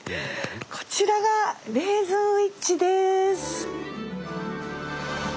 こちらがレイズンウイッチです！